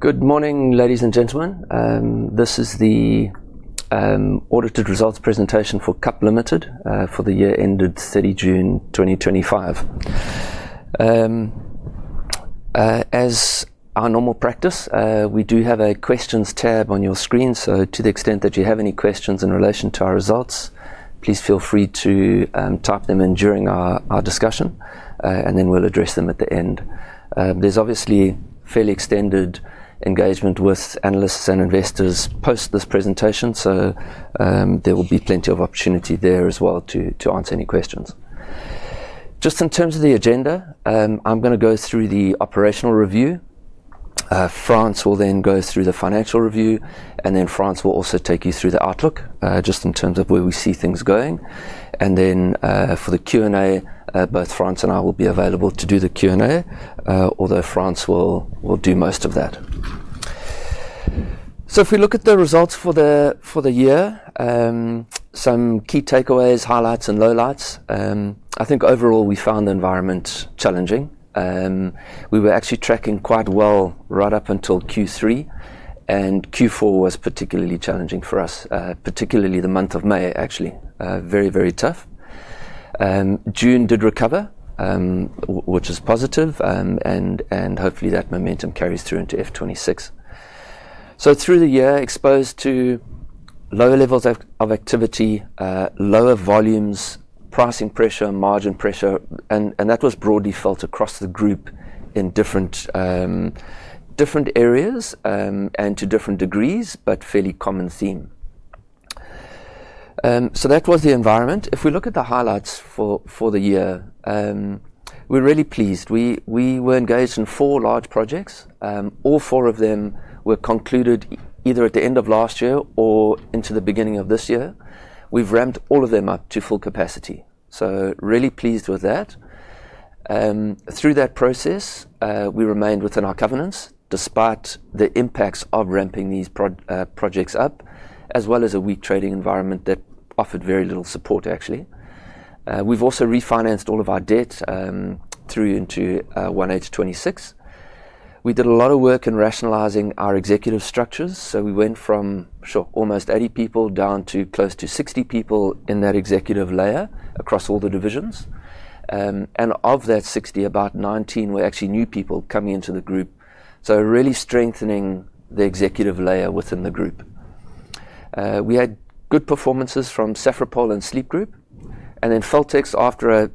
Good morning, ladies and gentlemen. This is the Audited Results Presentation for KAP Limited for the year ended 30 June 2025. As our normal practice, we do have a questions tab on your screen. To the extent that you have any questions in relation to our results, please feel free to type them in during our discussion and then we'll address them at the end. There's obviously fairly extended engagement with analysts and investors post this presentation, so there will be plenty of opportunity there as well to answer any questions. Just in terms of the agenda, I'm going to go through the operational review. Frans will then go through the financial review and then Frans will also take you through the outlook, just in terms of where we see things going. For the Q&A, both Frans and I will be available to do the Q&A, although Frans will do most of that. If we look at the results for the year, some key takeaways, highlights, and lowlights. I think overall, we found the environment challenging. We were actually tracking quite well right up until Q3, and Q4 was particularly challenging for us, particularly the month of May actually, very, very tough. June did recover, which is positive and hopefully that momentum carries through into F26. Through the year, exposed to lower levels of activity, lower volumes, pricing pressure, margin pressure, and that was broadly felt across the group in different areas and to different degrees, but fairly common theme. That was the environment. If we look at the highlights for the year, we're really pleased. We were engaged in four large projects. All four of them were concluded either at the end of last year or into the beginning of this year. We've ramped all of them up to full capacity. Really pleased with that. Through that process, we remained within our covenants despite the impacts of ramping these projects up, as well as a weak trading environment that offered very little support actually. We've also refinanced all of our debt through into 1H 2026]. We did a lot of work in rationalizing our executive structures. We went from almost 80 people down to close to 60 people in that executive layer, across all the divisions. Of that 60, about 19 were actually new people coming into the group. Really strengthening the executive layer within the group. We had good performances from Safripol and Sleep Group. Feltex, after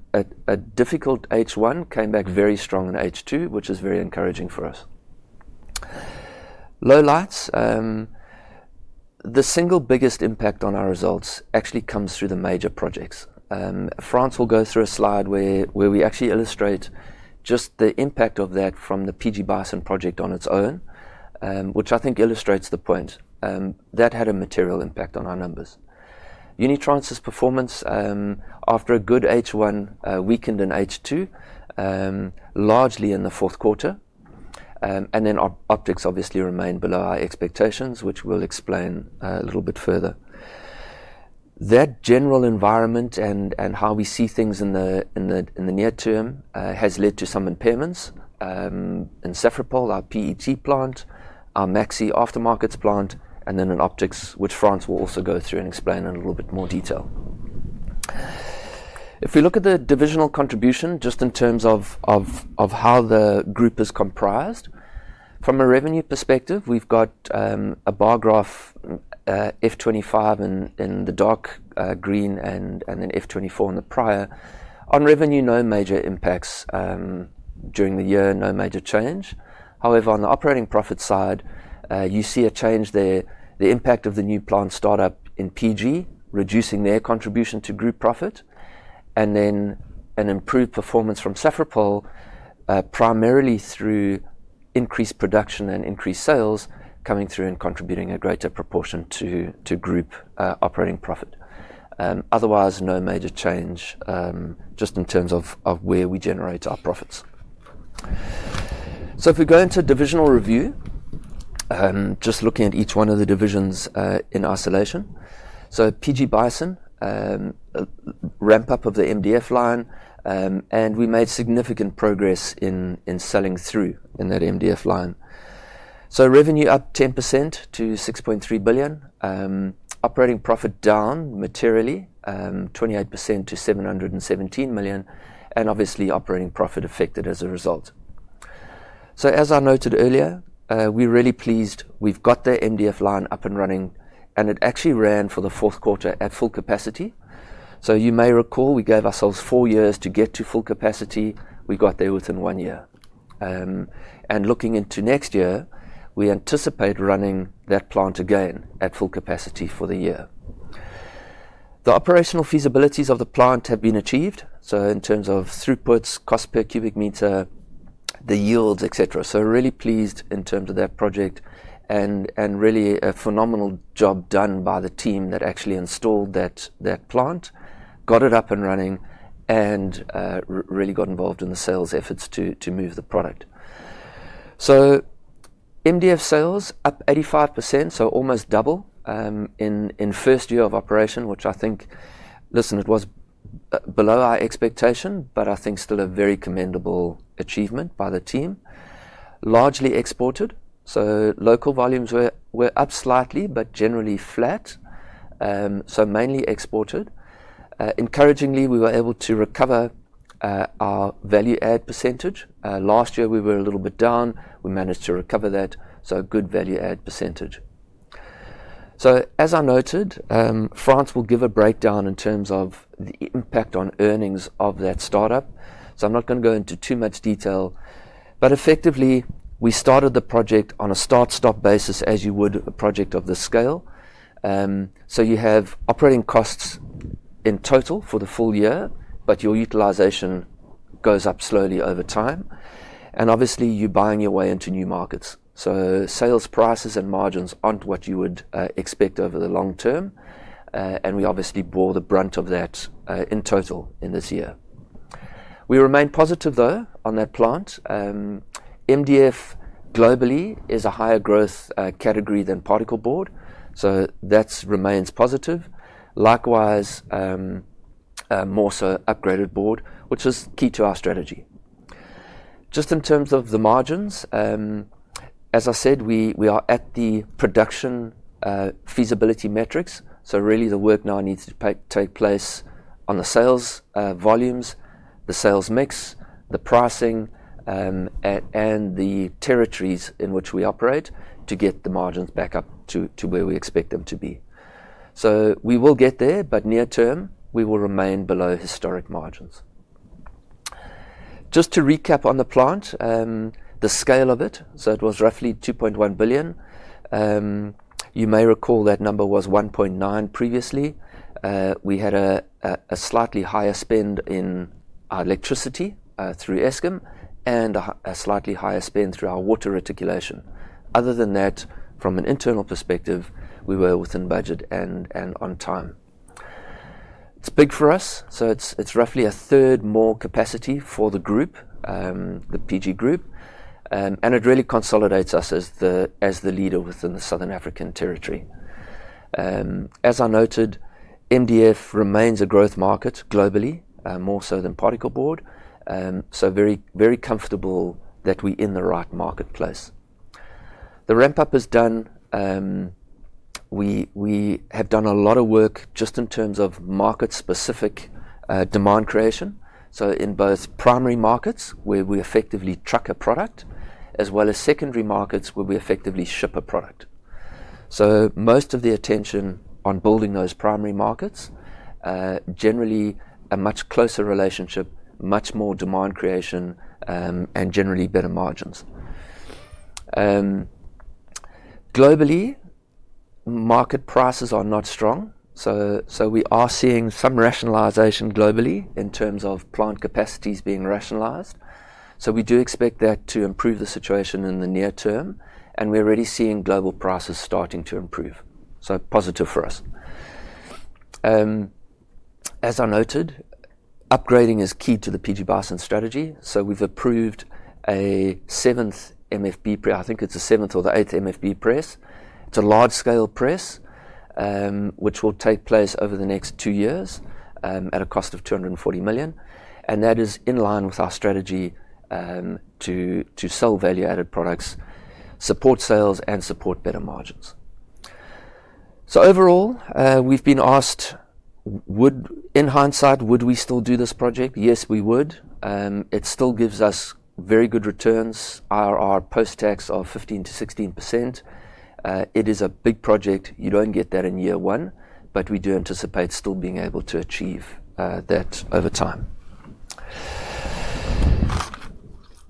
a difficult H1, came back very strong in H2, which is very encouraging for us. Lowlights, the single biggest impact on our results actually comes through the major projects. Frans will go through a slide where we actually illustrate just the impact of that from the PG Bison project on its own, which I think illustrates the point. That had a material impact on our numbers. Unitrans' performance, after a good H1, a weakened H2, largely in the fourth quarter. Optix obviously remained below our expectations, which we'll explain a little bit further. That general environment and how we see things in the near term has led to some impairments in Safripol, our PET plant, our Maxe aftermarkets plant and then in Optix, which Frans will also go through and explain in a little bit more detail. If we look at the divisional contribution, just in terms of how the group is comprised, from a revenue perspective, we've got a bar graph, F25 in the dark green and then F24 in the prior. On revenue, no major impacts during the year, no major change. However, on the operating profit side, you see a change there. The impact of the new plant startup in PG, reducing their contribution to group profit and then an improved performance from Safripol, primarily through increased production and increased sales coming through and contributing a greater proportion to group operating profit. Otherwise, no major change just in terms of where we generate our profits. If we go into divisional review, just looking at each one of the divisions in isolation. PG Bison, a ramp-up of the MDF line, and we made significant progress in selling through in that MDF line. Revenue up 10% to $6.3 billion. Operating profit down materially, 28% to $717 million and obviously operating profit affected as a result. As I noted earlier, we're really pleased. We've got the MDF line up and running, and it actually ran for the fourth quarter at full capacity. You may recall we gave ourselves four years to get to full capacity. We got there within one year. Looking into next year, we anticipate running that plant again at full capacity for the year. The operational feasibilities of the plant have been achieved. In terms of throughputs, cost per cubic meter, the yields, etc. Really pleased in terms of that project. Really, a phenomenal job was done by the team that actually installed that plant, got it up and running, and really got involved in the sales efforts to move the product. MDF sales were up 85%, so almost double in the first year of operation, which I think, listen, it was below our expectation, but I think still a very commendable achievement by the team. Largely exported, so local volumes were up slightly, but generally flat, so mainly exported. Encouragingly, we were able to recover our value-add percentage. Last year, we were a little bit down. We managed to recover that, so a good value-add percentage. As I noted, Frans will give a breakdown in terms of the impact on earnings of that startup. I'm not going to go into too much detail. Effectively, we started the project on a start-stop basis, as you would a project of this scale. You have operating costs in total for the full year, but your utilization goes up slowly over time. Obviously, you're buying your way into new markets, so sales prices and margins aren't what you would expect over the long term. We obviously bore the brunt of that in total in this year. We remain positive though on that plant. MDF globally is a higher growth category than particle board. That remains positive. Likewise, more so upgraded board, which is key to our strategy. In terms of the margins, as I said, we are at the production feasibility metrics. Really, the work now needs to take place on the sales volumes, the sales mix, the pricing and the territories in which we operate, to get the margins back up to where we expect them to be. We will get there, but near term, we will remain below historic margins. Just to recap on the plant, the scale of it, so it was roughly $2.1 billion. You may recall that number was $1.9 billion previously. We had a slightly higher spend in our electricity through Eskom, and a slightly higher spend through our water reticulation. Other than that, from an internal perspective, we were within budget and on time. It's bigf or us. It's roughly 1/3 more capacity for the group, the PG Group. It really consolidates us as the leader within the Southern African territory. As I noted, MDF remains a growth market globally, more so than particle board, so very comfortable that we're in the right marketplace. The ramp-up is done. We have done a lot of work just in terms of market-specific demand creation. In both primary markets, where we effectively truck a product, as well as secondary markets where we effectively ship a product. Most of the attention is on building those primary markets, generally a much closer relationship, much more demand creation and generally better margins. Globally, market prices are not strong. We are seeing some rationalization globally in terms of plant capacities being rationalized. We do expect that to improve the situation in the near term, and we're already seeing global prices starting to improve, so positive for us. As I noted, upgrading is key to the PG Bison strategy. We've approved a seventh MFB press. I think it's the seventh or the eighth MFB press. It's a large-scale press, which will take place over the next two years at a cost of $240 million. That is in line with our strategy to sell value-added products, support sales, and support better margins. Overall, we've been asked, in hindsight, would we still do this project? Yes, we would. It still gives us very good returns, IRR post-tax of 15%-16%. It is a big project. You don't get that in year one, but we do anticipate still being able to achieve that over time.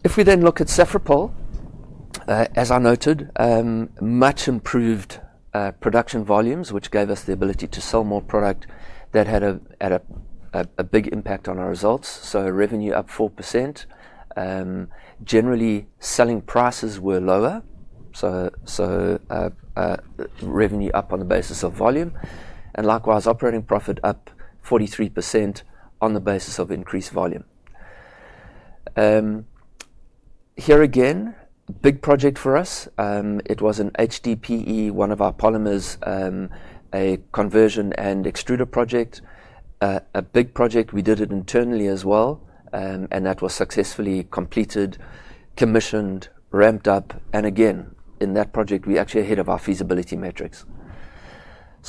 If we then look at Safripol, as I noted, much improved production volumes, which gave us the ability to sell more product. That had a big impact on our results. Revenue up 4%. Generally, selling prices were lower, so revenue up on the basis of volume. Likewise, operating profit up 43% on the basis of increased volume. Here again, big project for us. It was an HDPE, one of our polymers, a conversion and extruder project, a big project. We did it internally as well, and that was successfully completed, commissioned, ramped up. Again, in that project, we are actually ahead of our feasibility metrics.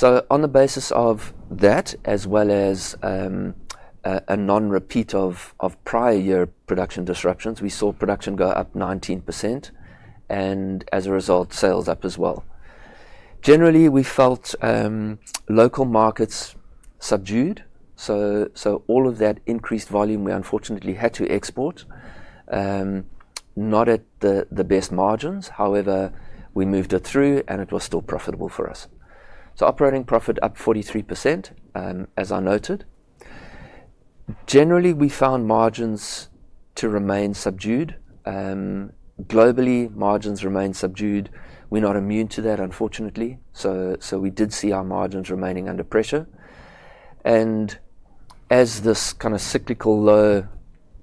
On the basis of that, as well as a non-repeat of prior year production disruptions, we saw production go up 19%. As a result, sales up as well. Generally, we felt local markets subdued, so all of that increased volume, we unfortunately had to export, not at the best margins. However, we moved it through, and it was still profitable for us. Operating profit up 43%, as I noted. Generally, we found margins to remain subdued. Globally, margins remain subdued. We're not immune to that unfortunately. We did see our margins remaining under pressure. As this cyclical low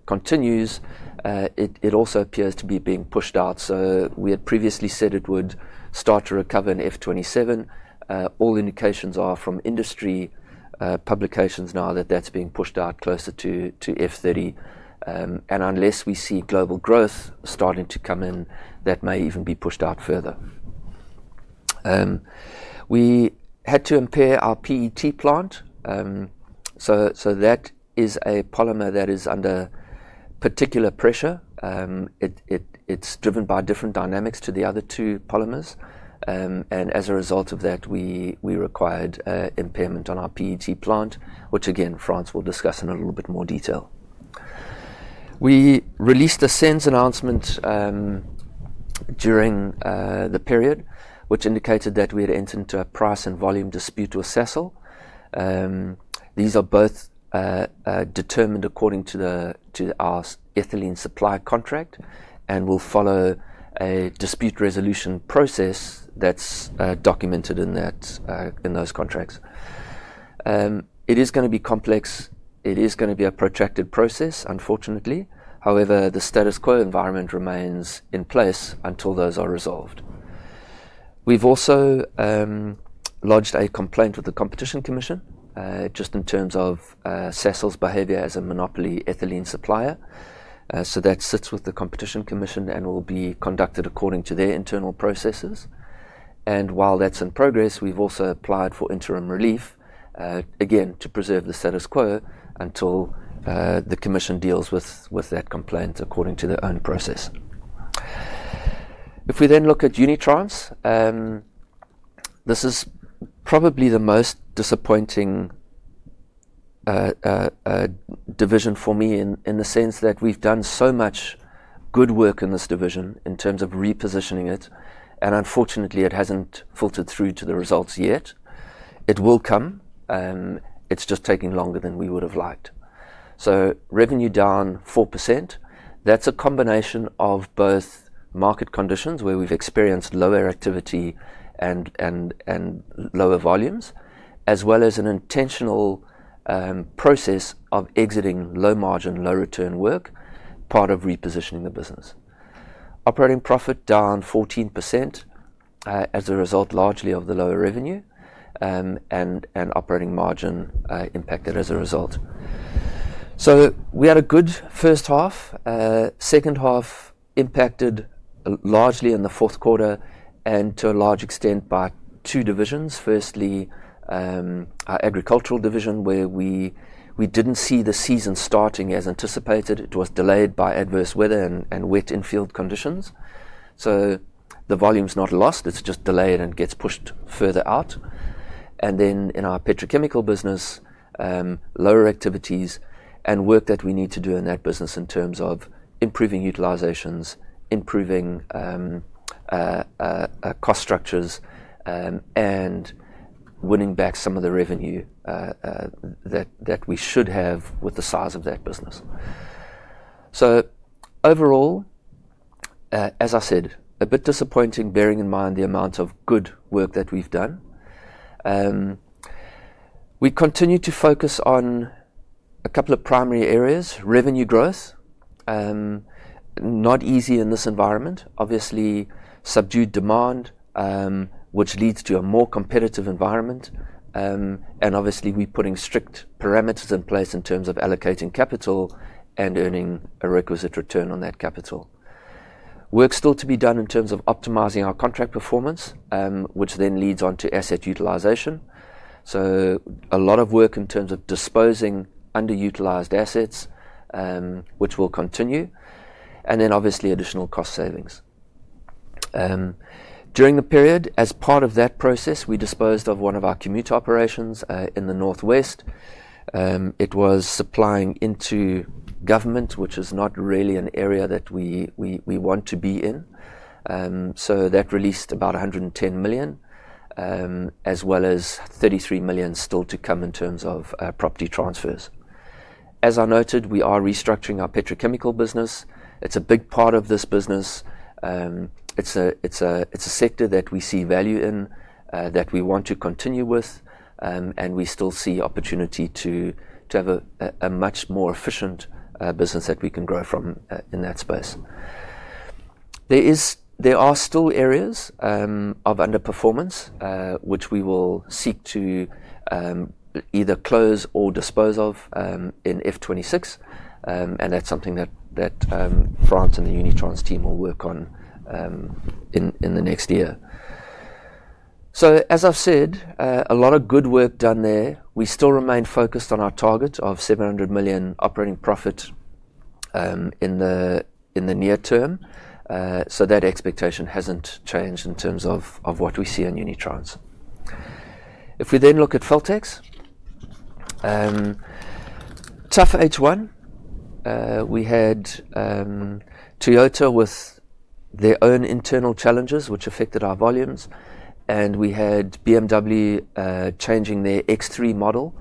continues, it also appears to be being pushed out. We had previously said it would start to recover in F27. All indications are from industry publications now that that's being pushed out closer to F30. Unless we see global growth starting to come in, that may even be pushed out further. We had to impair our PET plant. That is a polymer that is under particular pressure. It's driven by different dynamics to the other two polymers. As a result of that, we required impairment on our PET plant, which again, Frans will discuss in a little bit more detail. We released a sales announcement during the period, which indicated that we had entered into a price and volume dispute with Sasol. These are both determined according to our ethylene supply contract, and will follow a dispute resolution process that's documented in those contracts. It is going to be complex. It is going to be a protracted process, unfortunately. However, the status quo environment remains in place until those are resolved. We've also lodged a complaint with the Competition Commission, just in terms of Sasol's behavior as a monopoly ethylene supplier. That sits with the Competition Commission, and will be conducted according to their internal processes. While that's in progress, we've also applied for interim relief, again to preserve the status quo until the commission deals with that complaint according to their own process. If we then look at Unitrans, this is probably the most disappointing division for me, in the sense that we've done so much good work in this division in terms of repositioning it. Unfortunately, it hasn't filtered through to the results yet. It will come. It's just taking longer than we would have liked. Revenue down 4%. That's a combination of both market conditions, where we've experienced lower activity and lower volumes, as well as an intentional process of exiting low-margin, low-return work, part of repositioning the business. Operating profit down 14% as a result largely of the lower revenue, and operating margin impacted as a result. We had a good first half. Second half, impacted largely in the fourth quarter and to a large extent by two divisions. Firstly, our agricultural division, where we didn't see the season starting as anticipated. It was delayed by adverse weather and wet infield conditions. The volume's not lost. It's just delayed and gets pushed further out. In our petrochemical business, lower activities and work that we need to do in that business in terms of improving utilizations, improving cost structures, and winning back some of the revenue that we should have with the size of that business. Overall, as I said, a bit disappointing, bearing in mind the amount of good work that we've done. We continue to focus on a couple of primary areas, revenue growth, not easy in this environment. Obviously, subdued demand, which leads to a more competitive environment. Obviously, we are putting strict parameters in place in terms of allocating capital, and earning a requisite return on that capital. Work still to be done in terms of optimizing our contract performance, which then leads on to asset utilization. A lot of work in terms of disposing underutilized assets, which will continue. Obviously, additional cost savings. During the period, as part of that process, we disposed of one of our commuter operations in the northwest. It was supplying into government, which is not really an area that we want to be in. That released about $110 million, as well as $33 million still to come in terms of property transfers. As I noted, we are restructuring our petrochemical business. It's a big part of this business. It's a sector that we see value in, that we want to continue with and we still see opportunity to have a much more efficient business that we can grow from in that space. There are still areas of underperformance, which we will seek to either close or dispose of in F26. That's something that Frans and the Unitrans team will work on in the next year. As I've said, a lot of good work done there. We still remain focused on our target of $700 million operating profit in the near term. That expectation hasn't changed in terms of what we see in Unitrans. If we then look at Feltex, tough H1. We had Toyota with their own internal challenges, which affected our volumes. We had BMW changing their X3 model,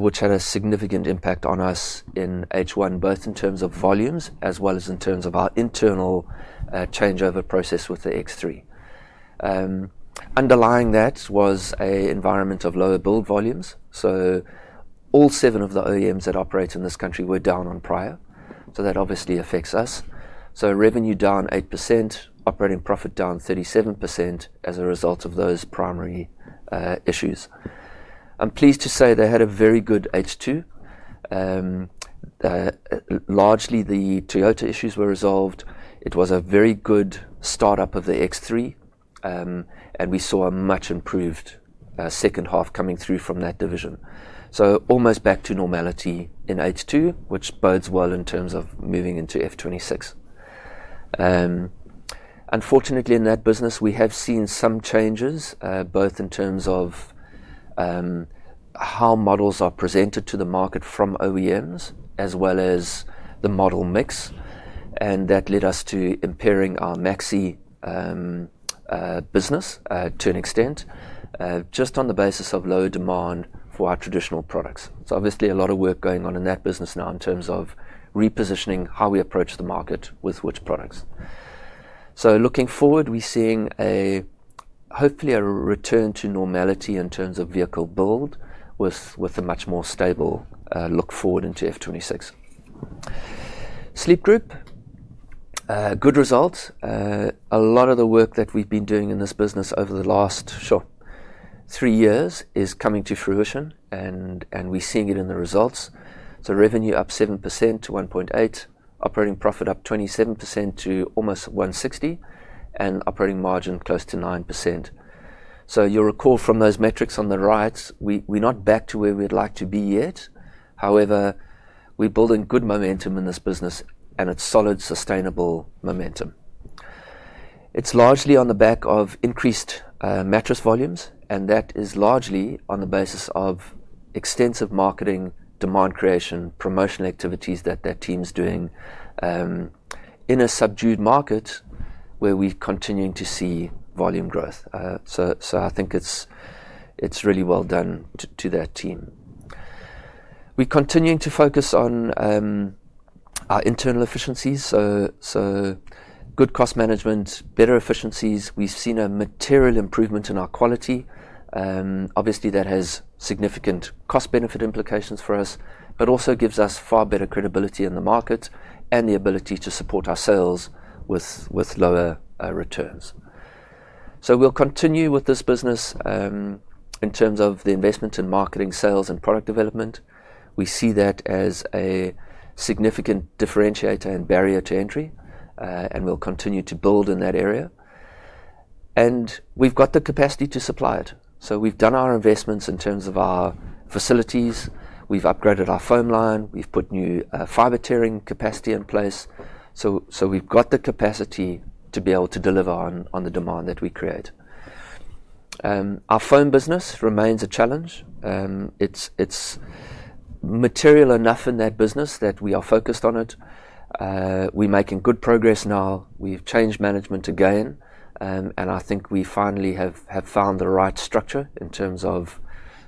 which had a significant impact on us in H1, both in terms of volumes, as well as in terms of our internal changeover process with the X3. Underlying that was an environment of lower build volumes. All seven of the OEMs that operate in this country were down prior. That obviously affects us. Revenue down 8%, operating profit down 37% as a result of those primary issues. I'm pleased to say they had a very good H2. Largely, the Toyota issues were resolved. It was a very good start-up of the X3. We saw a much improved second half coming through from that division, so almost back to normality in H2, which bodes well in terms of moving into F26. Unfortunately, in that business, we have seen some changes, both in terms of how models are presented to the market from OEMs, as well as the model mix. That led us to impairing our Maxe business to an extent, just on the basis of low demand for our traditional products. Obviously, a lot of work is going on in that business now in terms of repositioning how we approach the market with which products. Looking forward, we're seeing hopefully a return to normality in terms of vehicle build, with a much more stable look forward into F26. Sleep Group, good result. A lot of the work that we've been doing in this business over the last, sure, three years is coming to fruition and we're seeing it in the results. Revenue up 7% to $1.8 million, operating profit up 27% to almost $160 million and operating margin close to 9%. You'll recall from those metrics on the right, we're not back to where we'd like to be yet. However, we're building good momentum in this business, and it's solid, sustainable momentum. It's largely on the back of increased mattress volumes, and that is largely on the basis of extensive marketing, demand creation, promotional activities that that team's doing in a subdued market where we're continuing to see volume growth. I think it's really well done to that team. We're continuing to focus on our internal efficiencies. Good cost management, better efficiencies. We've seen a material improvement in our quality. Obviously, that has significant cost-benefit implications for us, but also gives us far better credibility in the market and the ability to support our sales with lower returns. We'll continue with this business in terms of the investment in marketing, sales, and product development. We see that as a significant differentiator and barrier to entry, and we'll continue to build in that area. We've got the capacity to supply it. We've done our investments in terms of our facilities. We've upgraded our foam line. We've put new fiber-tearing capacity in place. We've got the capacity to be able to deliver on the demand that we create. Our foam business remains a challenge. It's material enough in that business that we are focused on it. We're making good progress now. We've changed management again. I think we finally have found the right structure in terms of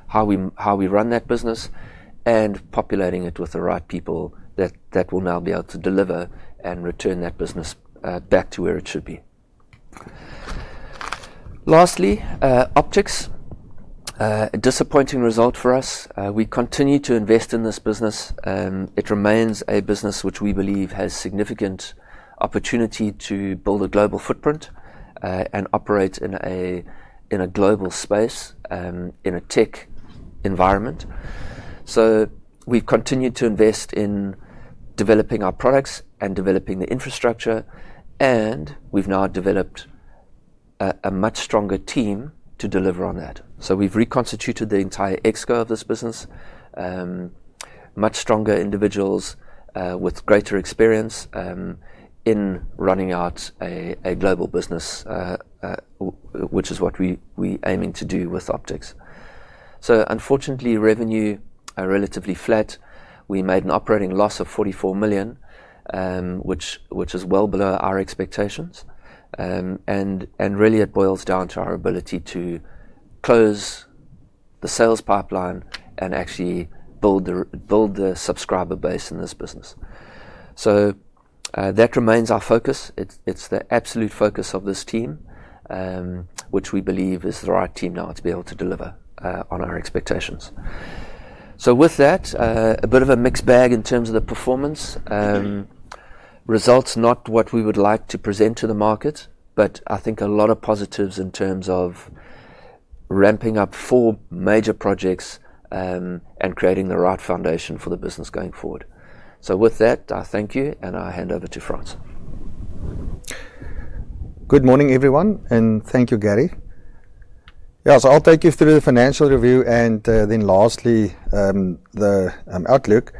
how we run that business, and populating it with the right people that will now be able to deliver and return that business back to where it should be. Lastly, Optix, a disappointing result for us. We continue to invest in this business. It remains a business which we believe has significant opportunity to build a global footprint and operate in a global space, in a tech environment. We continue to invest in developing our products and developing the infrastructure, and we've now developed a much stronger team to deliver on that. We've reconstituted the entire exco of this business, much stronger individuals with greater experience in running out a global business, which is what we're aiming to do with Optix. Unfortunately, revenue are relatively flat. We made an operating loss of $44 million, which is well below our expectations. Really, it boils down to our ability to close the sales pipeline, and actually build the subscriber base in this business. That remains our focus. It's the absolute focus of this team, which we believe is the right team now to be able to deliver on our expectations. With that, a bit of a mixed bag in terms of the performance. Results, not what we would like to present to the market, but I think a lot of positives in terms of ramping up four major projects and creating the right foundation for the business going forward. With that, I thank you. I'll hand over to Frans. Good morning, everyone. Thank you, Gary. I'll take you through the financial review and then lastly, an outlook.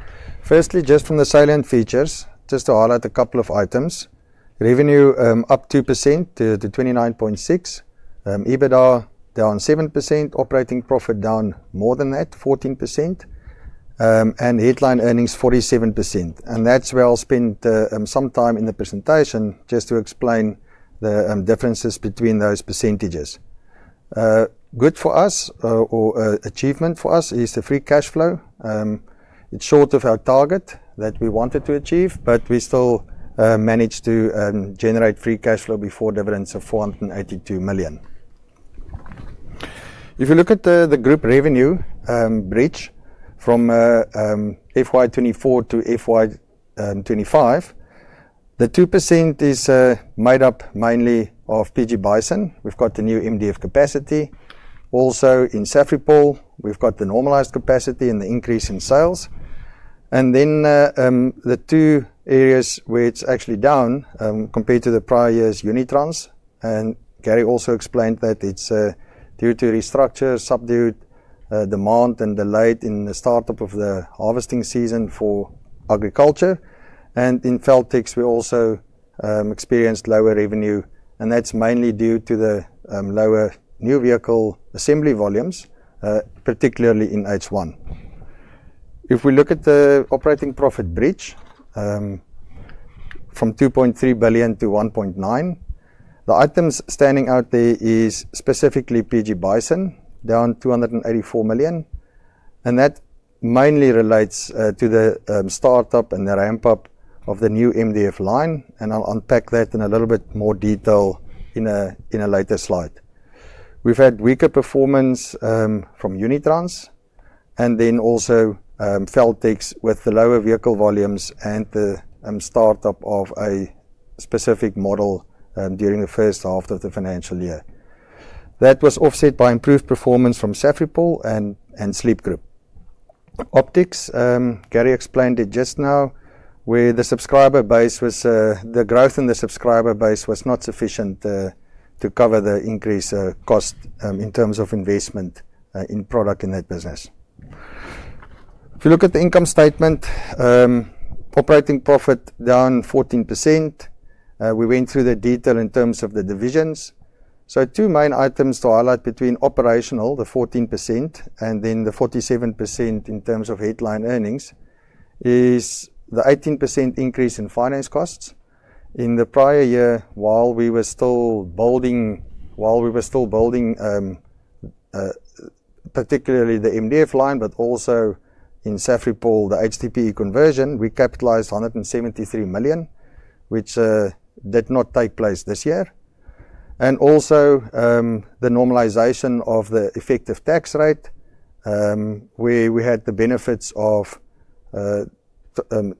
Firstly, just from the selling features, just to highlight a couple of items. Revenue up 2% to $29.6 million. EBITDA down 7%, operating profit down more than that, 14%. Headline earnings, 47%. That's where I'll spend some time in the presentation, just to explain the differences between those percentages. Good for us or achievement for us, is the free cash flow. It's short of our target that we wanted to achieve, but we still managed to generate free cash flow before dividends of $482 million. If you look at the group revenue bridge from FY 2024 to FY 2025, the 2% is made up mainly of PG Bison. We've got the new MDF capacity. Also, in Safripol, we've got the normalized capacity and the increase in sales. The two areas where it's actually down compared to the prior year is Unitrans. Gary also explained that it's a territory structure, subdued demand and delay in the startup of the harvesting season for agriculture. In Feltex, we also experienced lower revenue, and that's mainly due to the lower new vehicle assembly volumes, particularly in H1. If we look at the operating profit bridge, from $2.3 billion-$1.9 billion, the items standing out there are specifically PG Bison, down $284 million. That mainly relates to the startup and the ramp-up of the new MDF line. I'll unpack that in a little bit more detail in a later slide. We've had weaker performance from Unitrans, and then also Feltex with the lower vehicle volumes and the startup of a specific model during the first half of the financial year. That was offset by improved performance from Safripol and Sleep Group. Optix, Gary explained it just now, where the growth in the subscriber base was not sufficient to cover the increased cost in terms of investment in product in that business. If you look at the income statement, operating profit down 14%. We went through the detail in terms of the divisions. Two main items to highlight between operational the 14%, and then the 47% in terms of headline earnings, is the 18% increase in finance costs. In the prior year, while we were still building particularly the MDF line, but also in Safripol, the HDPE conversion, we capitalized $173 million, which did not take place this year. Also, the normalization of the effective tax rate, where we had the benefits of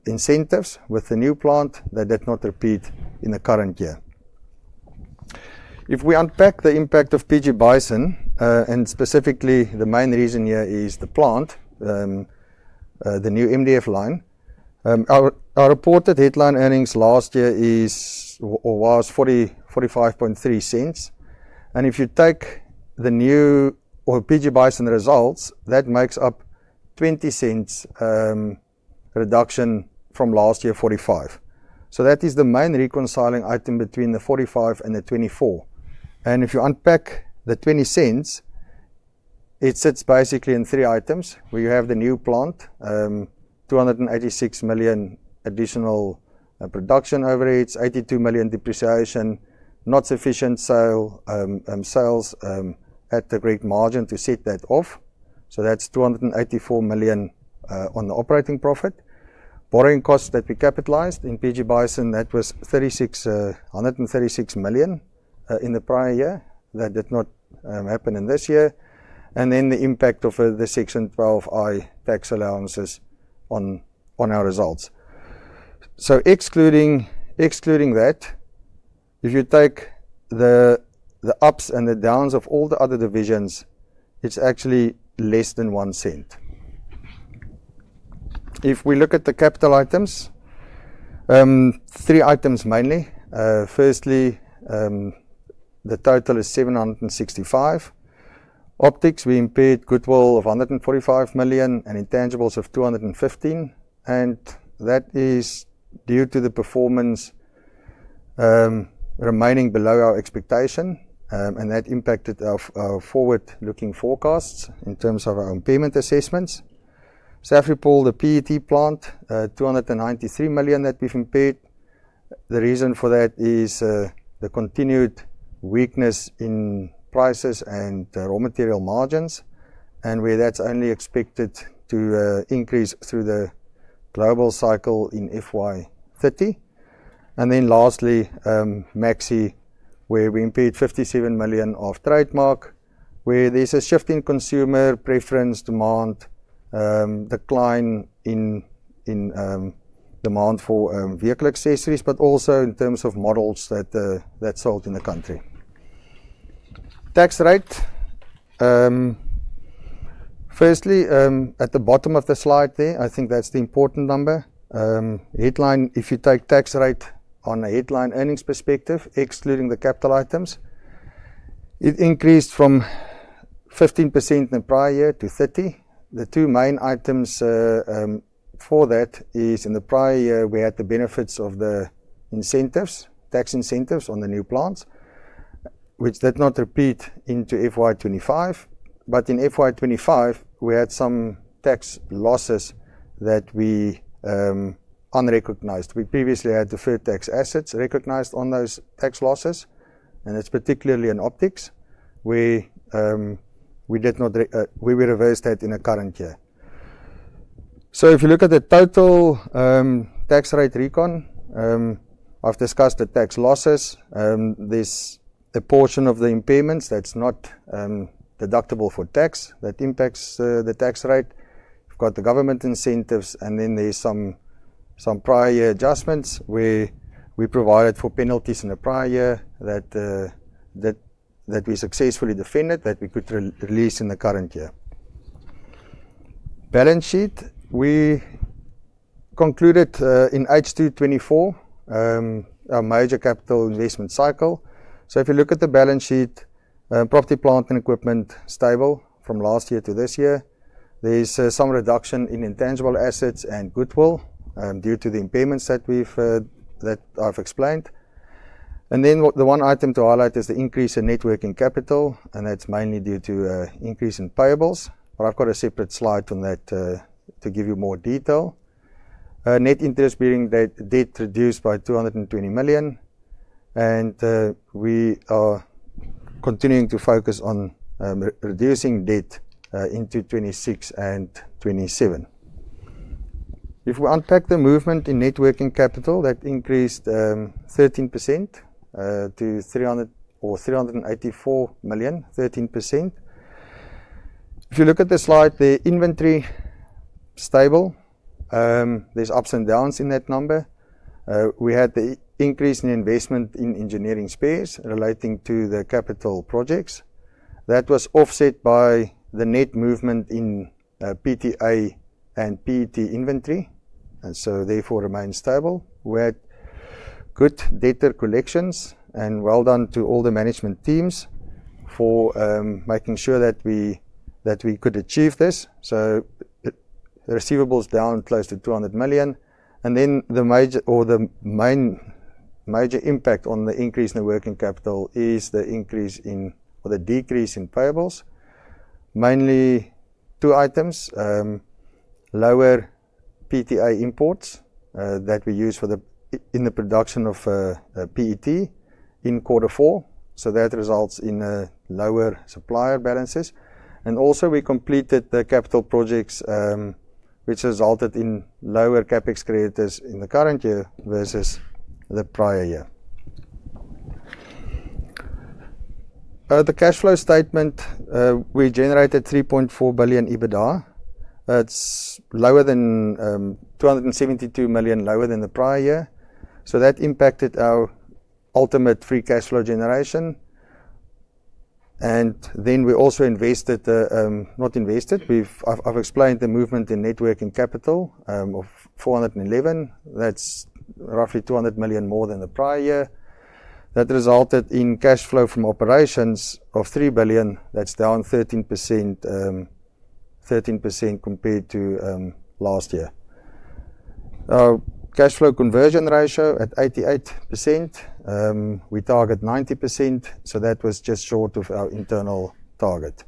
incentives with the new plant that did not repeat in the current year. If we unpack the impact of PG Bison and specifically, the main reason here is the plant, the new MDF line, our reported headline earnings last year was $0.453. If you take the new or PG Bison results, that makes up $0.20 reduction from last year, $0.45. That is the main reconciling item between the $0.45 and the $0.24. If you unpack the $0.20, it sits basically in three items, where you have the new plant, $286 million additional production overheads, $82 million depreciation, not sufficient sales at the great margin to set that off. That's $284 million on the operating profit. Borrowing costs that we capitalized in PG Bison, that was $136 million in the prior year. That did not happen in this year, and then the impact of the section 12I tax allowances on our results. Excluding that, if you take the ups and the downs of all the other divisions, it's actually less than $0.01. If we look at the capital items, three items mainly. Firstly, the total is $765 million. Optix, we impaired goodwill of $145 million and intangibles of $215 million. That is due to the performance remaining below our expectation, and that impacted our forward-looking forecasts in terms of our own impairment assessments. Safripol, the PET plant, $293 million that we've impaired. The reason for that is the continued weakness in prices and raw material margins, and where that's only expected to increase through the global cycle in FY 2030. Lastly, Maxe, where we impaired $57 million of trademark, where there's a shift in consumer preference demand, decline in demand for vehicle accessories, but also in terms of models that sold in the country. Tax rate, firstly, at the bottom of the slide there, I think that's the important number. If you take tax rate on the headline earnings perspective, excluding the capital items, it increased from 15% in the prior year to 30%. The two main items for that are in the prior year, we had the benefits of the tax incentives on the new plants, which did not repeat into FY 2025. In FY 2025, we had some tax losses that we unrecognized. We previously had the free tax assets recognized on those tax losses, and that's particularly in Optix, where we reversed that in the current year. If you look at the total tax rate recon, I've discussed the tax losses. There's a portion of the impairments that's not deductible for tax, that impacts the tax rate. We've got the government incentives, and then there's some prior year adjustments where we provided for penalties in the prior year that we successfully defended, that we could release in the current year. Balance sheet, we concluded in H2 2024, our major capital investment cycle. If you look at the balance sheet, property, plant and equipment, stable from last year to this year. There's some reduction in intangible assets and goodwill, due to the impairments that I've explained. The one item to highlight is the increase in net working capital, and that's mainly due to an increase in payables. I've got a separate slide on that, to give you more detail. Net interest-bearing debt reduced by $220 million. We are continuing to focus on reducing debt into 2026 and 2027. If we unpack the movement in net working capital, that increased 13% to $384 million. If you look at the slide, the inventory is stable. There's ups and downs in that number. We had the increase in investment in engineering spares, relating to the capital projects. That was offset by the net movement in PTA and PET inventory, and so therefore it remains stable. We had good data collections, and well done to all the management teams for making sure that we could achieve this. The receivables, down close to $200 million. The major impact on the increase in the working capital is the increase in or the decrease in payables. Mainly two items, lower PTA imports that we use in the production of PET in quarter four, so that results in lower supplier balances. Also, we completed the capital projects, which resulted in lower CapEx creditors in the current year versus the prior year. The cash flow statement, we generated $3.4 billion EBITDA. That's $272 million lower than the prior year, so that impacted our ultimate free cash flow generation. I've explained the movement in net working capital of $411 million. That's roughly $200 million more than the prior year. That resulted in cash flow from operations of $3 billion. That's down 13% compared to last year. Our cash flow conversion ratio at 88%. We target 90%, so that was just short of our internal target.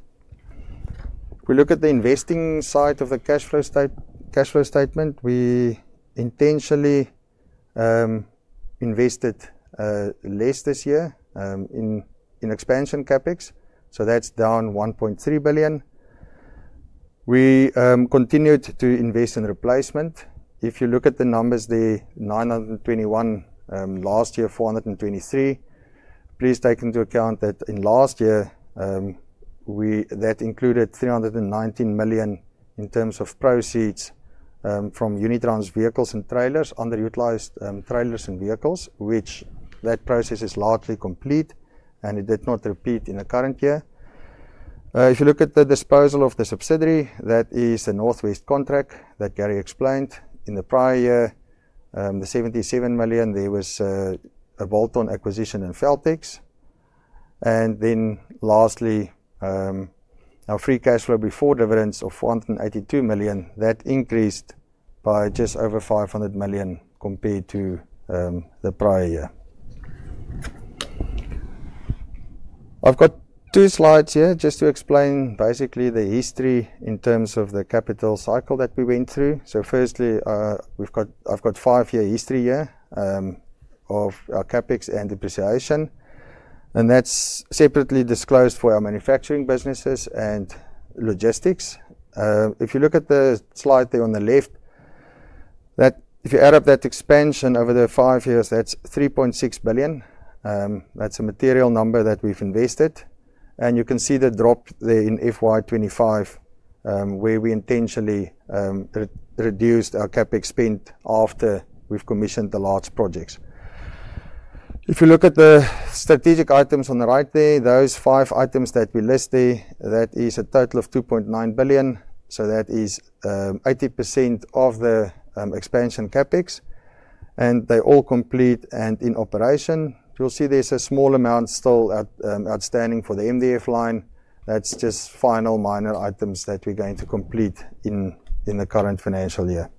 If we look at the investing side of the cash flow statement, we intentionally invested less this year in expansion CapEx, so that's down $1.3 billion. We continued to invest in replacement. If you look at the numbers there, $921 million last year, $423 million, please take into account that in last year, that included $319 million in terms of proceeds from Unitrans vehicles and trailers, underutilized trailers and vehicles, which that process is largely complete and it did not repeat in the current year. If you look at the disposal of the subsidiary, that is a northwest contract that Gary explained. In the prior year, the $77 million, there was a bolt-on acquisition in Feltex. Lastly, our free cash flow before dividends of $482 million, that increased by just over $500 million compared to the prior year. I've got two slides here, just to explain basically the history in terms of the capital cycle that we went through. Firstly, I've got a five-year history here, of our CapEx and depreciation. That's separately disclosed for our manufacturing businesses and logistics. If you look at the slide there on the left, if you add up that expansion over the five years, that's $3.6 billion. That's a material number that we've invested. You can see the drop there in FY 2025, where we intentionally reduced our CapEx spend after we've commissioned the large projects. If you look at the strategic items on the right there, those five items that we list there, that is a total of $2.9 billion. That is 80% of the expansion CapEx, and they're all complete and in operation. You'll see there's a small amount still outstanding for the MDF line. That's just final minor items that we're going to complete in the current financial year.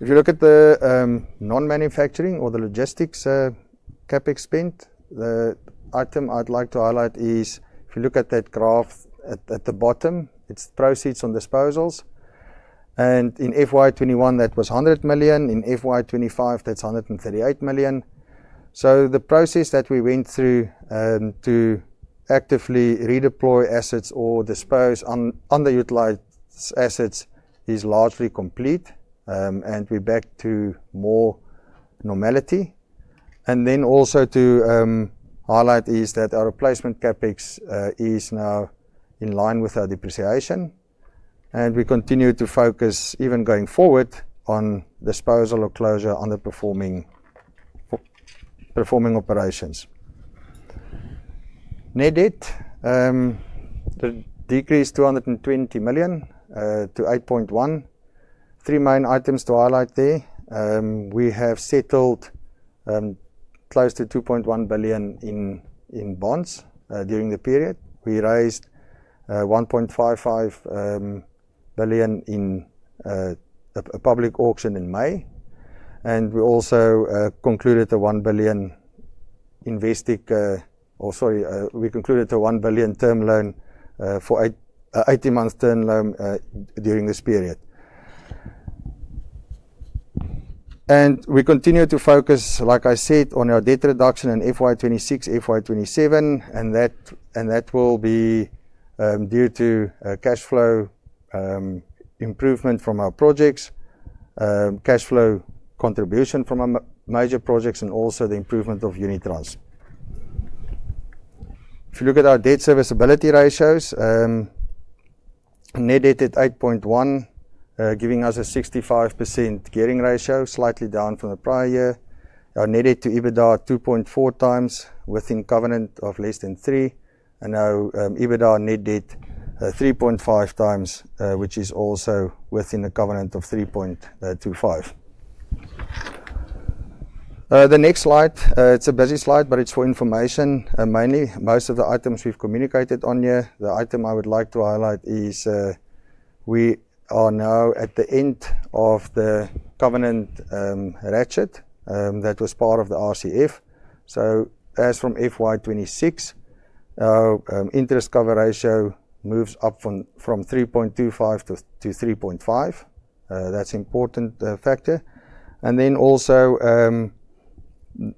If you look at the non-manufacturing or the logistics CapEx spend, the item I'd like to highlight is, 20 if you look at that graph at the bottom, it's proceeds on disposals. In FY21, that was $100 million. In FY 2025, that's $138 million. The process that we went through to actively redeploy assets or dispose underutilized assets is largely complete. We're back to more normality. Also to highlight, is that our replacement CapEx is now in line with our depreciation. We continue to focus even going forward, on disposal or closure of underperforming operations. Net debt decreased $220 million to $8.1 billion. Three main items to highlight there. We have settled close to $2.1 billion in bonds during the period. We raised $1.55 billion in a public auction in May. We also concluded the $1 billion term loan for an 18-month term loan during this period. We continue to focus, like I said, on our debt reduction in FY 2026 and FY 2027. That will be due to cash flow improvement from our projects, cash flow contribution from our major projects and also the improvement of Unitrans. If you look at our debt serviceability ratios, net debt at $8.1 billion, giving us a 65% gearing ratio, slightly down from the prior year. Our net debt to EBITDA is 2.4x, within covenant of less than three. Our EBITDA net debt is 3.5x, which is also within the covenant of 3.25. The next slide, it's a busy slide, but it's for information mainly. Most of the items, we've communicated on here. The item I would like to highlight is, we are now at the end of the covenant ratchet that was part of the RCF. As from FY 2026, our interest cover ratio moves up from 3.25 to 3.5. That's an important factor. Also,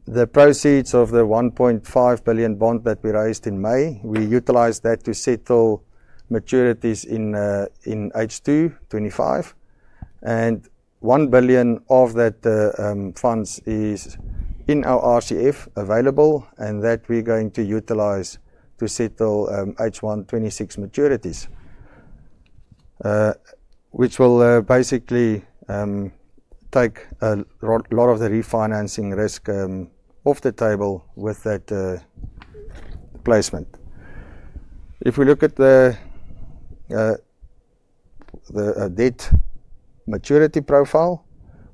the proceeds of the $1.5 billion bond that we raised in May, we utilized that to settle maturities in H2 2025. $1 billion of those funds is in our RCF available, and that we're going to utilize that to settle H1 2026 maturities, which will basically take a lot of the refinancing risk off the table with that placement. If we look at the debt maturity profile,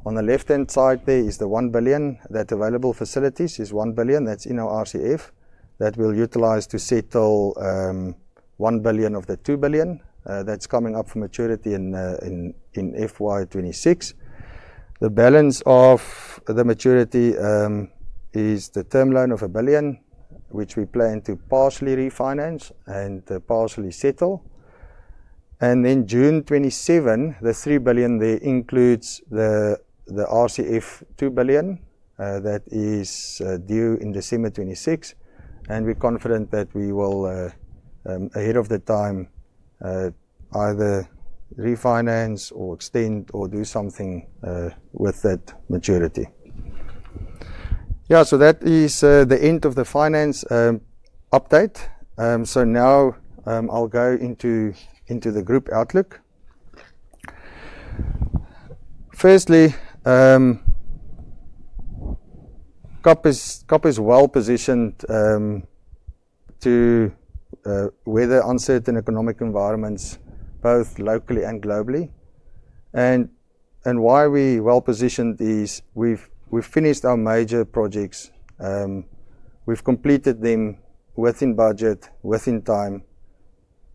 on the left-hand side, there is the $1 billion that's available facilities. It's $1 billion that's in our RCF, that we'll utilize to settle $1 billion of the $2 billion that's coming up for maturity in FY 2026. The balance of the maturity is the term loan of $1billion, which we plan to partially refinance and partially settle. In June 2027, the $3 billion there includes the RCF $2 billion that is due in December 2026. We're confident that we will, ahead of the time, either refinance or extend, or do something with that maturity. That is the end of the finance update. Now I'll go into the group outlook. Firstly, KAP is well-positioned to weather uncertain economic environments, both locally and globally. Why we're well-positioned is, we've finished our major projects. We've completed them within budget, within time.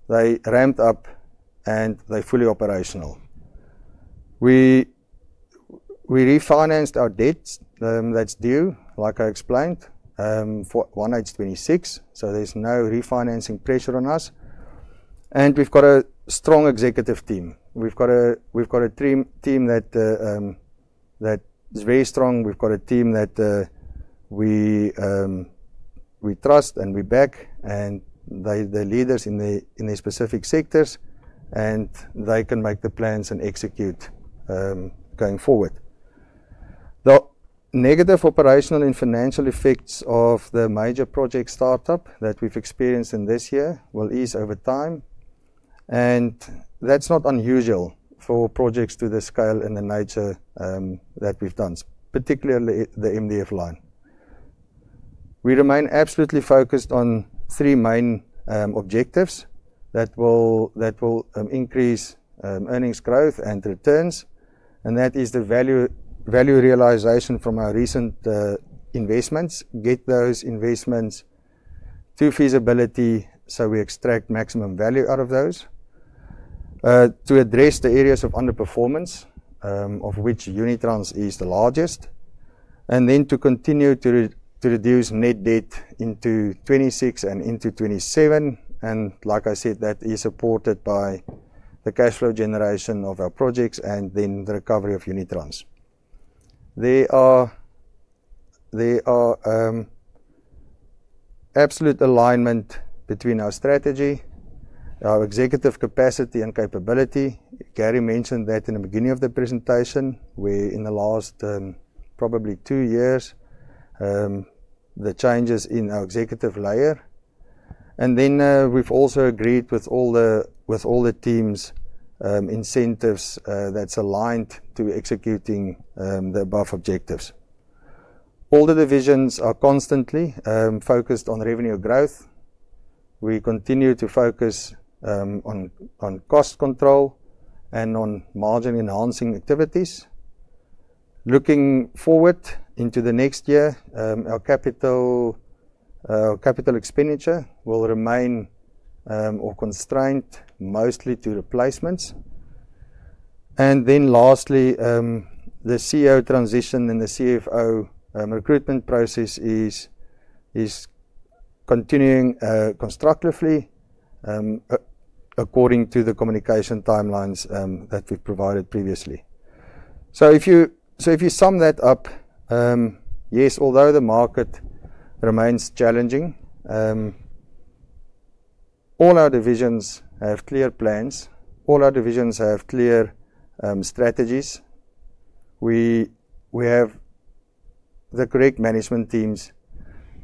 They ramped up and they're fully operational. We refinanced our debts that's due, like I explained, for 1H 2026. There's no refinancing pressure on us. We've got a strong executive team. We've got a team that is very strong. We've got a team that we trust and we back, and they're the leaders in their specific sectors, and they can make the plans and execute going forward. The negative operational and financial effects of the major project startup that we've experienced in this year will ease over time. That's not unusual for projects of this scale and the nature that we've done, particularly the MDF line. We remain absolutely focused on three main objectives, that will increase earnings growth and returns. That is the value realization from our recent investments. Get those investments to feasibility, so we extract maximum value out of those. To address the areas of underperformance, of which Unitrans is the largest and then to continue to reduce net debt into 2026 and into 2027. Like I said, that is supported by the cash flow generation of our projects and the recovery of Unitrans. There is absolute alignment between our strategy, our executive capacity and capability. Gary mentioned that in the beginning of the presentation, in the last probably two years, the changes in our executive layer. We've also agreed with all the teams, incentives that's aligned to executing the above objectives. All the divisions are constantly focused on revenue growth. We continue to focus on cost control and on margin-enhancing activities. Looking forward into the next year, our capital expenditure will remain or constraint mostly to replacements. Lastly, the CEO transition and the CFO recruitment process is continuing constructively according to the communication timelines that we've provided previously. If you sum that up, yes, although the market remains challenging, all our divisions have clear plans. All our divisions have clear strategies. We have the correct management teams,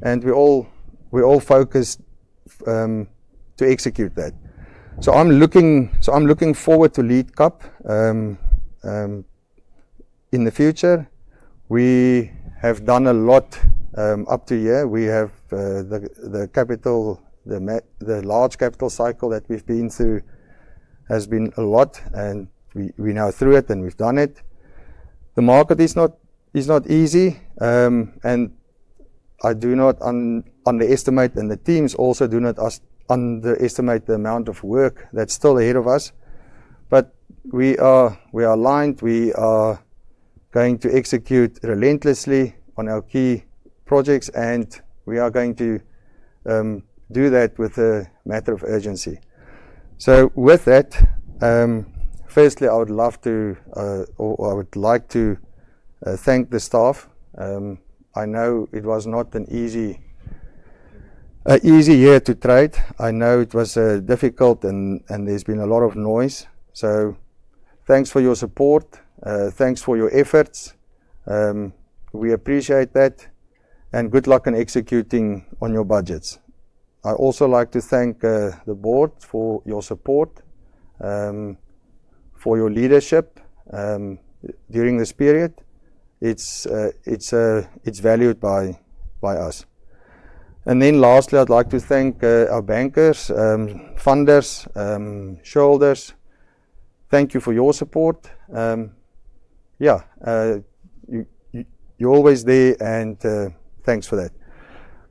and we're all focused to execute that. I'm looking forward to lead KAP in the future. We have done a lot up to here. The large capital cycle that we've been through has been a lot, and we're now through it and we've done it. The market is not easy, and I do not underestimate and the teams also do not underestimate the amount of work that's still ahead of us. We are aligned. We are going to execute relentlessly on our key projects, and we are going to do that with a matter of urgency. With that, firstly, I would love to, or I would like to thank the staff. I know it was not an easy year to trade. I know it was difficult, and there's been a lot of noise. Thanks for your support. Thanks for your efforts. We appreciate that. Good luck in executing on your budgets. I'd also like to thank the board for your support, for your leadership during this period. It's valued by us. Lastly, I'd like to thank our bankers, funders, shareholders. Thank you for your support. You're always there, and thanks for that.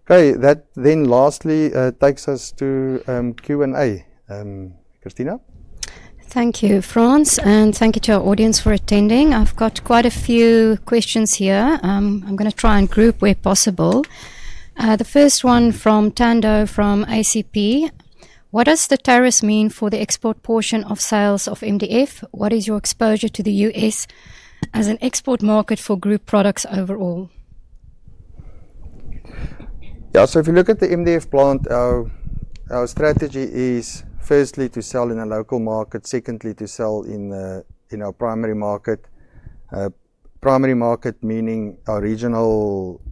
That then lastly takes us to Q&A. Christina? Thank you, Frans, and thank you to our audience for attending. I've got quite a few questions here. I'm going to try and group where possible. The first one from Tando from [ACP]. What do the tariffs mean for the export portion of sales of MDF? What is your exposure to the U.S. as an export market for group products overall? Yeah. If you look at the MDF plant, our strategy is firstly to sell in a local market. Secondly, to sell in our primary market. Primary market, meaning our regional,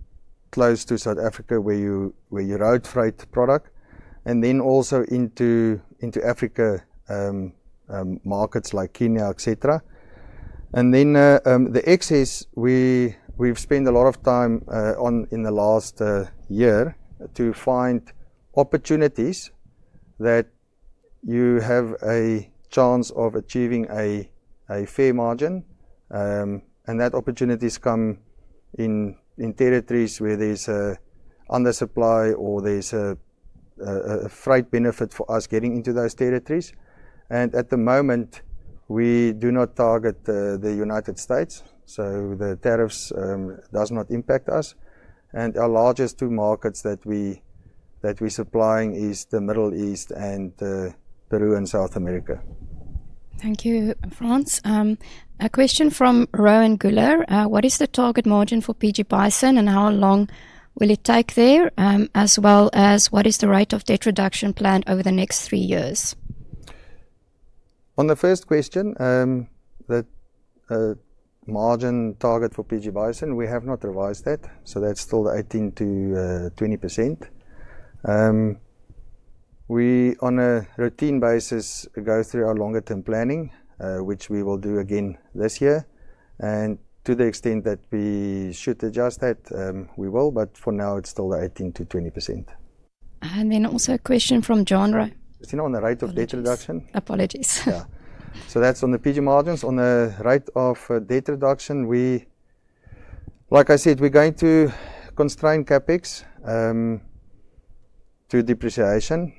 close to South Africa, where you route freight product and then also into Africa markets like Kenya, etc. The excess, we've spent a lot of time in the last year, to find opportunities that you have a chance of achieving a fair margin. That opportunity has come in territories where there's an undersupply or there's a freight benefit for us getting into those territories. At the moment, we do not target the United States, so the tariffs do not impact us. Our largest two markets that we are supplying are the Middle East and Peru in South America. Thank you, Frans. A question from Rowan Guler. What is the target margin for PG Bison, and how long will it take there, as well as what is the rate of debt reduction plan over the next three years? On the first question, the margin target for PG Bison, we have not revised that. That's still the 18%-20%. We, on a routine basis, go through our longer-term planning, which we will do again this year. To the extent that we should adjust that, we will. For now, it's still 18%-20%. Also, a question from [John]. Christina, on the rate of debt reduction? Apologies. Yeah, so that's on the PG margins. On the rate of debt reduction, like I said, we're going to constrain CapEx to depreciation.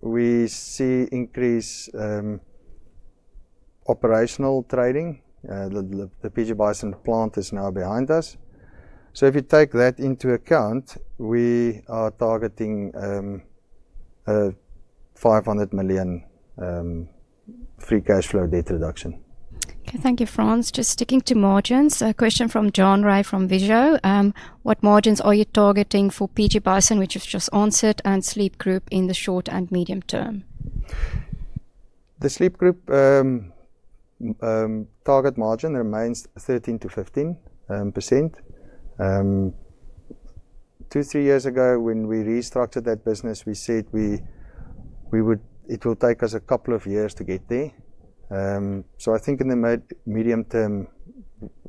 We see increased operational trading. The PG Bison plant is now behind us. If you take that into account, we are targeting $500 million free cash flow debt reduction. Okay. Thank you, Frans. Just sticking to margins, a question from John Ray from [VGO]. What margins are you targeting for PG Bison, which is just onset and Sleep Group in the short and medium term? The Sleep Group target margin remains 13%-15%. Two, three years ago, when we restructured that business, we said it would take us a couple of years to get there. I think in the medium term,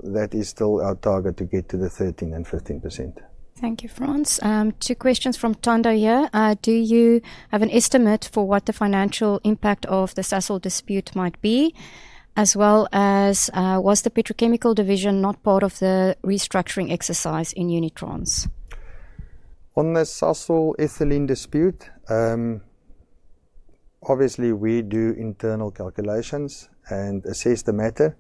that is still our target to get to the 13% and 15%. Thank you, Frans. Two questions from Tando here. Do you have an estimate for what the financial impact of the Sasol dispute might be, as well as was the petrochemical division not part of the restructuring exercise in Unitrans? On the Sasol ethylene dispute, obviously we do internal calculations and assess the matter.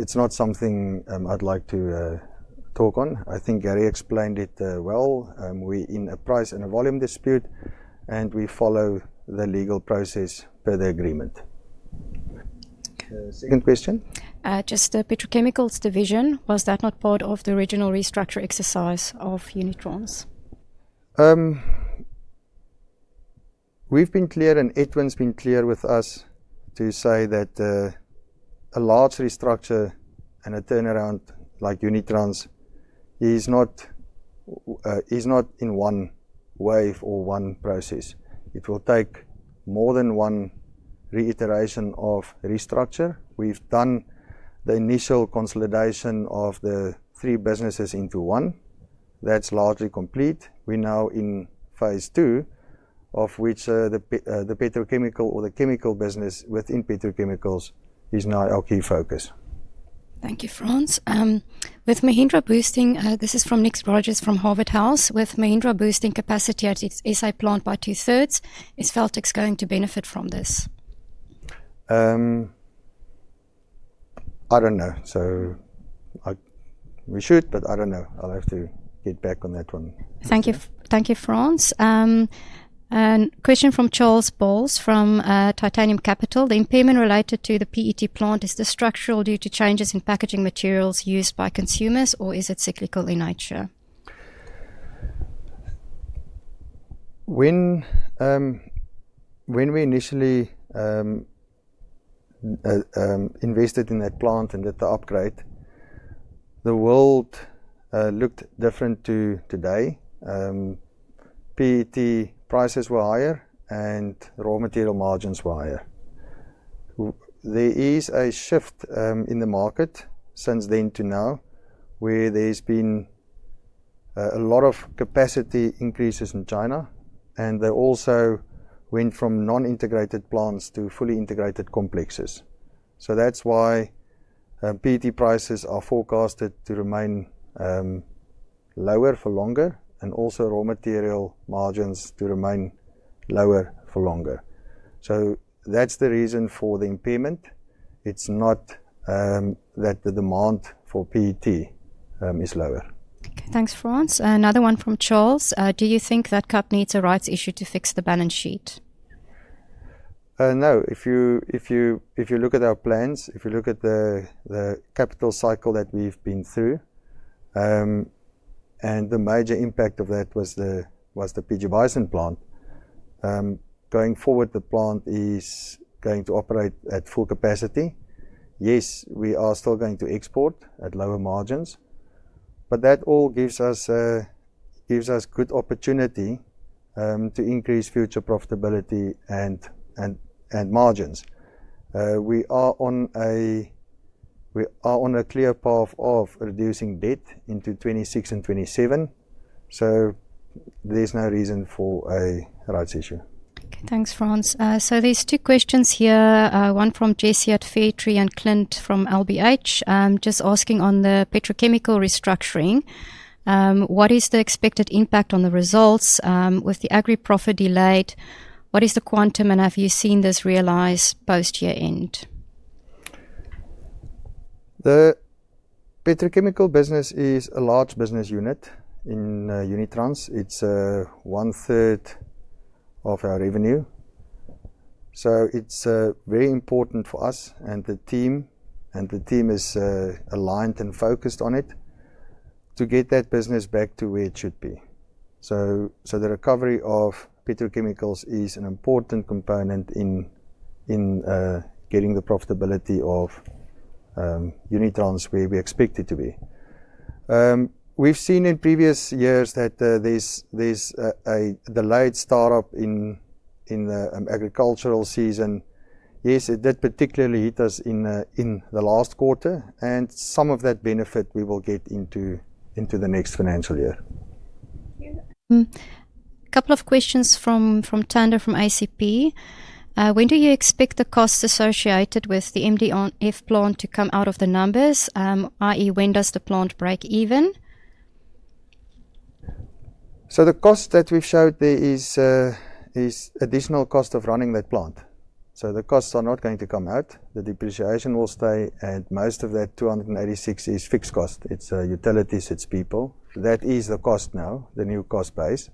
It's not something I'd like to talk on. I think Gary explained it well. We're in a price and a volume dispute, and we follow the legal process per the agreement. Second question? Just the petrochemical division, was that not part of the regional restructure exercise of Unitrans? We've been clear, and [Aitwin's] been clear with us to say that a large restructure and a turnaround like Unitrans is not in one wave or one process. It will take more than one reiteration of restructure. We've done the initial consolidation of the three businesses into one. That's largely complete. We're now in phase II, of which the petrochemical or the chemical business within petrochemicals is now our key focus. Thank you, Frans. This is from Nick Rogers from Harvard House. With Mahindra boosting capacity at its SI plant by 2/3, is Feltex going to benefit from this? I don't know. We should, but I don't know. I'll have to get back on that one. Thank you, Frans. A question from Charles Bowles from Titanium Capital. The impairment related to the PET plant, is it structural due to changes in packaging materials used by consumers or is it cyclical in nature? When we initially invested in that plant and did the upgrade, the world looked different to today. PET prices were higher, and raw material margins were higher. There is a shift in the market since then to now, where there's been a lot of capacity increases in China and they also went from non-integrated plants to fully integrated complexes. That is why PET prices are forecasted to remain lower for longer, and also raw material margins to remain lower for longer. That is the reason for the impairment. It's not that the demand for PET is lower. Thanks, Frans. Another one from Charles. Do you think that KAP needs a rights issue to fix the balance sheet? No. If you look at our plans, if you look at the capital cycle that we've been through and the major impact of that was the PG Bison plant, going forward, the plant is going to operate at full capacity. Yes, we are still going to export at lower margins. That all gives us a good opportunity to increase future profitability and margins. We are on a clear path of reducing debt into 2026 and 2027. There is no reason for a rights issue. Thanks, Frans. There are two questions here, one from JC at Fairtree and Clint from LBH, just asking on the petrochemical restructuring. What is the expected impact on the results with the agri-profit delayed? What is the quantum, and have you seen this realized post-year end? The petrochemical business is a large business unit in Unitrans. It's 1/3 of our revenue. It's very important for us, and the team is aligned and focused on it to get that business back to where it should be. The recovery of petrochemicals is an important component in getting the profitability of Unitrans where we expect it to be. We've seen in previous years that there's a delayed startup in the agricultural season. Yes, that particularly hit us in the last quarter, and some of that benefit we will get into the next financial year. A couple of questions from Tando from [ACP]. When do you expect the costs associated with the MDF plant to come out of the numbers, i.e., when does the plant break even? The cost that we've showed there is the additional cost of running that plant. The costs are not going to come out. The depreciation will stay, and most of that $286 million is fixed cost. It's utilities, it's people. That is the cost now, the new cost base.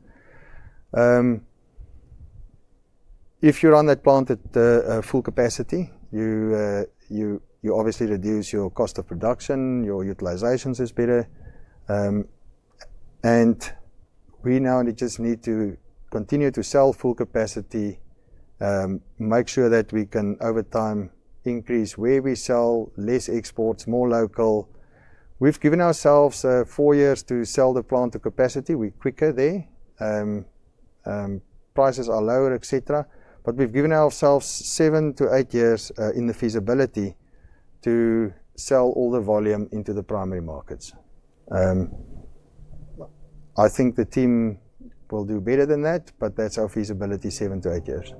If you run that plant at full capacity, you obviously reduce your cost of production, your utilization is better. We now just need to continue to sell full capacity, make sure that we can over time increase where we sell less exports, more local. We've given ourselves four years to sell the plant to capacity. We're quicker there. Prices are lower, etc. We've given ourselves seven to eight years in the feasibility, to sell all the volume into the primary markets. I think the team will do better than that, but that's our feasibility seven to eight years.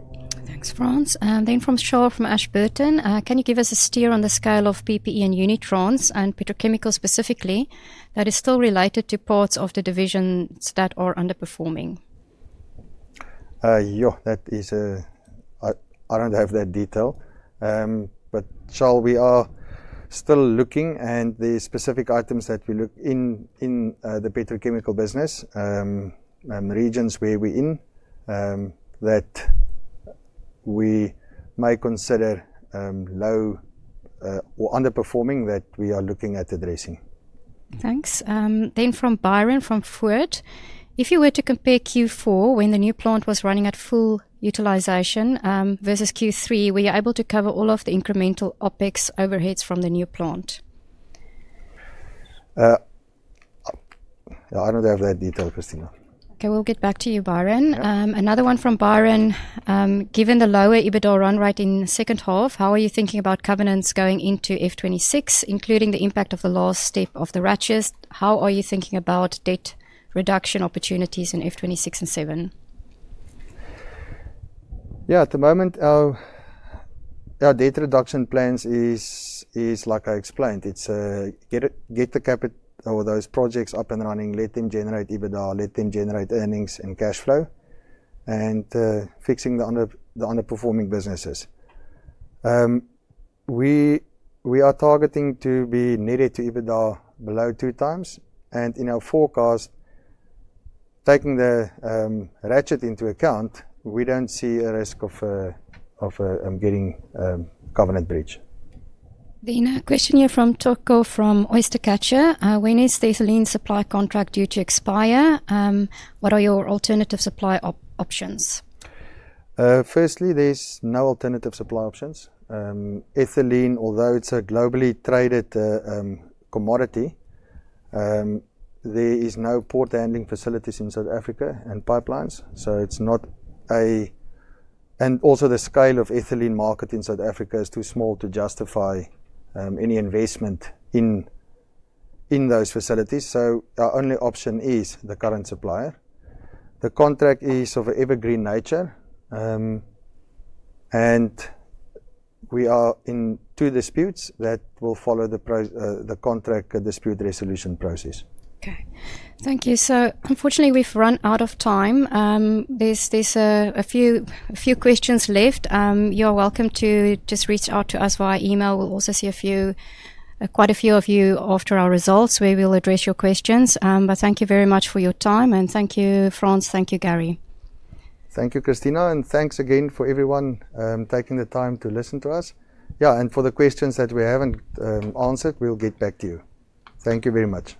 Thanks, Frans. From Sean from Ashburton, can you give us a steer on the scale of PPE and Unitrans, and petrochemicals specifically that is still related to parts of the divisions that are underperforming? Yeah, I don't have that detail. Sean, we are still looking, and there are specific items that we look at in the petrochemical business, regions where we're in, that we might consider low or underperforming that we are looking at addressing. Thanks. From Byron from [Foote], if you were to compare Q4 when the new plant was running at full utilization versus Q3, were you able to cover all of the incremental OpEx overheads from the new plant? Yeah. I don't have that detail, Christina. Okay. We'll get back to you, Byron. Another one from Byron. Given the lower EBITDA run rate in the second half, how are you thinking about covenants going into F26, including the impact of the last step of the ratchets? How are you thinking about debt reduction opportunities in F26 and F27? Yeah. At the moment, our debt reduction plans are like I explained. It's, get the [capital] or those projects up and running. Let them generate EBITDA, let them generate earnings and cash flow, and fixing the underperforming businesses. We are targeting to be net debt to EBITDA below 2x. In our forecast, taking the ratchet into account, we don't see a risk of getting a covenant breach. You've a question here from Toko from OysterCatcher. When is the ethylene supply contract due to expire? What are your alternative supply options? Firstly, there's no alternative supply options. Ethylene, although it's a globally traded commodity, there are no port-handling facilities in South Africa and pipelines. Also, the scale of the ethylene market in South Africa is too small to justify any investment in those facilities. Our only option is the current supplier. The contract is of evergreen nature. We are in two disputes that will follow the contract dispute resolution process. Okay, thank you. Unfortunately, we've run out of time. There are a few questions left. You're welcome to just reach out to us via email. We'll also see quite a few of you after our results, where we'll address your questions. Thank you very much for your time. Thank you, Frans. Thank you, Gary. Thank you, Christina. Thank you again for everyone taking the time to listen to us. For the questions that we haven't answered, we'll get back to you. Thank you very much.